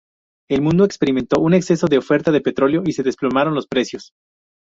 El mundo experimentó un exceso de oferta de petróleo y se desplomaron los precios.